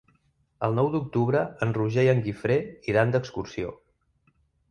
El nou d'octubre en Roger i en Guifré iran d'excursió.